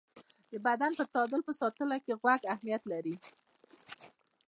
د بدن د تعادل په ساتنه کې غوږ اهمیت لري.